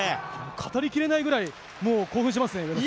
語りきれないぐらい今、興奮してますね。